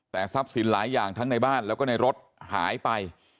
แต่ทรัพย์สินหลายอย่างทั้งในบ้านแล้วก็ในรถหายไป